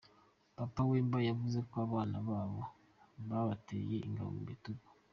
Papa Wemba yavuze ko abana babo babateye ingabo mu bitugu .